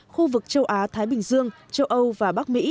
khu vực châu á thái bình dương châu âu và bắc mỹ